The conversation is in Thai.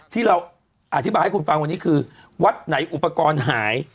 ที่เราอธิบายให้คุณฟังวันนี้คือวัดไหนอุปกรณ์หาย